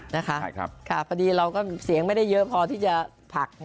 นะคะค่ะพอดีเราก็เสียงไม่ได้เยอะพอที่จะผลัก